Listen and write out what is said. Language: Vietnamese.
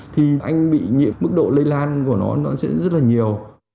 thì mức độ lây lan của nó sẽ rất là nhiều